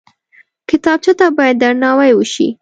کتابچه ته باید درناوی وشي